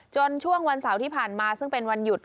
ช่วงวันเสาร์ที่ผ่านมาซึ่งเป็นวันหยุด